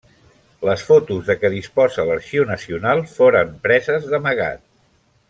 Les fotos de què disposa l'Arxiu Nacional foren preses d'amagat.